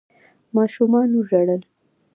ماشومانو ژړل.